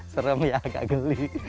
serem ya agak geli